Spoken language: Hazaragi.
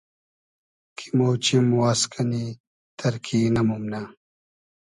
کی مۉ چیم واز کئنی تئرکی نئمومنۂ